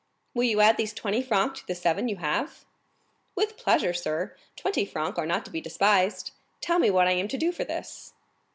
"Will you add these twenty francs to the seven you have?" "With pleasure, sir; twenty francs are not to be despised. Tell me what I am to do for this."